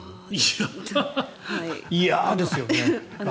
いやーですよね。